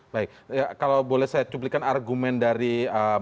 baik kalau boleh saya cuplikan argumen dari